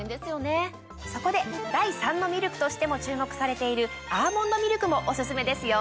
そこで第３のミルクとしても注目されているアーモンドミルクもオススメですよ。